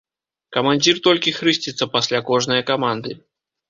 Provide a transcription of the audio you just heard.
Камандзір толькі хрысціцца пасля кожнае каманды.